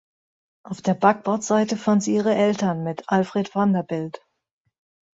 Auf der Backbordseite fand sie ihre Eltern mit Alfred Vanderbilt.